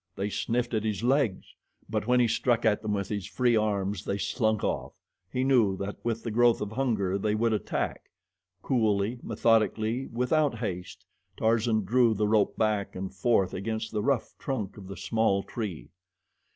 They sniffed at his legs; but when he struck at them with his free arms they slunk off. He knew that with the growth of hunger they would attack. Coolly, methodically, without haste, Tarzan drew the rope back and forth against the rough trunk of the small tree.